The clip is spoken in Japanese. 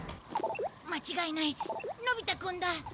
間違いないのび太くんだ。